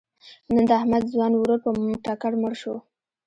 نن د احمد ځوان ورور په ټکر مړ شو.